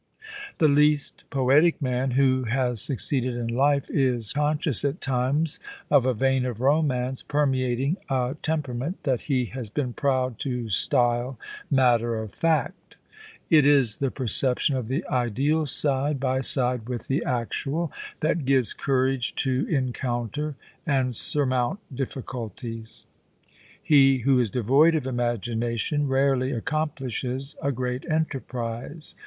The least poetic man who has succeeded in life is con scious at times of a vein of romance j^ermeating a temjjera ment that he has been proud to style * matter of fact' It is the perception of the ideal side by side with the actual, that gives courage to encounter and surmount difficulties. He who is devoid of imagination rarely accomplishes a great enterprise.